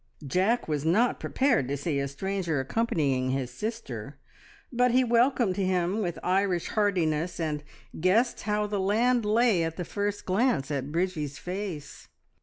Jack was not prepared to see a stranger accompanying his sister, but he welcomed him with Irish heartiness, and guessed how the land lay at the first glance at Bridgie's face.